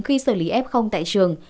khi xử lý f tại trường